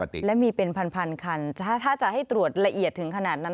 ถ้าจะให้ตรวจละเอียดถึงขนาดนั้น